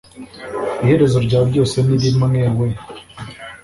iherezo ryabyose nirimwew